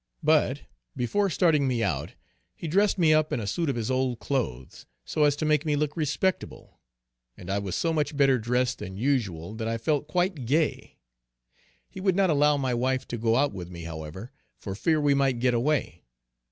But before starting me out, he dressed me up in a suit of his old clothes, so as to make me look respectable, and I was so much better dressed than usual that I felt quite gay. He would not allow my wife to go out with me however, for fear we might get away.